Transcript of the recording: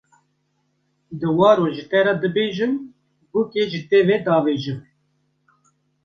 Diwaro ji te re dibêjim, bûkê ji te ve davêjim